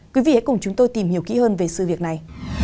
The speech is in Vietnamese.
quý vị hãy cùng chúng tôi tìm hiểu kỹ hơn về sự việc này